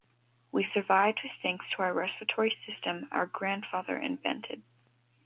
We survived thanks to a respiratory system our grandfather invented.